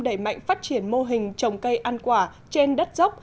đẩy mạnh phát triển mô hình trồng cây ăn quả trên đất dốc